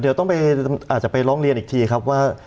เดี๋ยวต้องอาจจะไปร้องเรียนอีกทีครับว่า